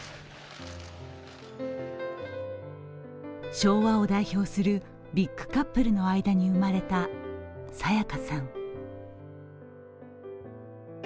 昭和を代表するビッグカップルの間に生まれた沙也加さん。